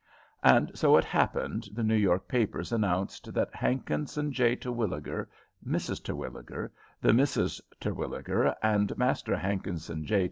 And so it happened the New York papers announced that Hankinson J. Terwilliger, Mrs. Terwilliger, the Misses Terwilliger, and Master Hankinson J.